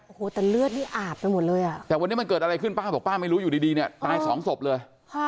โอ้โหแต่เลือดนี่อาบไปหมดเลยอ่ะแต่วันนี้มันเกิดอะไรขึ้นป้าบอกป้าไม่รู้อยู่ดีเนี่ยตายสองศพเลย